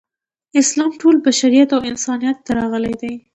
اسلام ټول بشریت او انسانیت ته راغلی دی.